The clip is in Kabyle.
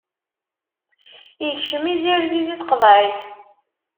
Ikcem izirdi di tqeḍɛit.